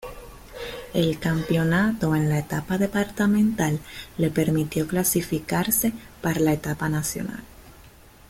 El campeonato en la Etapa Departamental le permitió clasificarse par la Etapa Nacional.